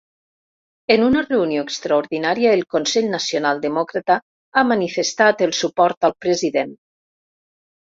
En una reunió extraordinària, el consell nacional demòcrata ha manifestat el suport al president.